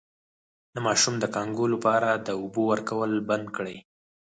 د ماشوم د کانګو لپاره د اوبو ورکول بند کړئ